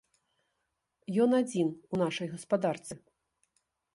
Ён адзін у нашай гаспадарцы.